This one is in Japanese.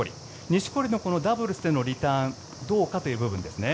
錦織のダブルスでのリターンどうかという部分ですね。